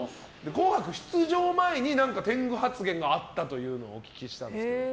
「紅白」出場前に天狗発言があったとお聞きしたんですけど。